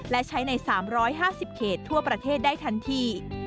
และใช้ใน๓๕๐เขตทั่วประเทศได้ทันที